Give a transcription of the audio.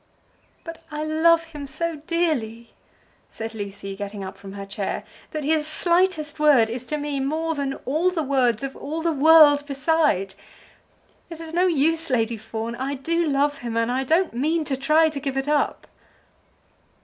"But I love him so dearly," said Lucy, getting up from her chair, "that his slightest word is to me more than all the words of all the world beside! It is no use, Lady Fawn. I do love him, and I don't mean to try to give it up!"